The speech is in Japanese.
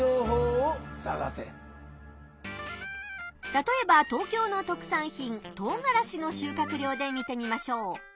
たとえば東京の特産品とうがらしの収穫量で見てみましょう。